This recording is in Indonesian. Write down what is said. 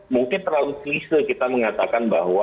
mungkin terlalu selise kita mengatakan bahwa